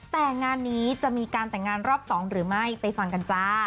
แต่งานนี้จะมีการแต่งงานรอบ๒หรือไม่ไปฟังกันจ้า